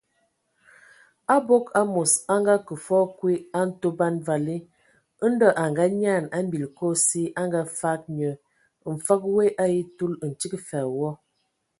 Abog amos o akə fɔɔ kwi a Ntoban vali, Ndɔ a nganyian a mbil Kosi a ngafag nye, mfəg woe a etul, ntig fa a wɔ.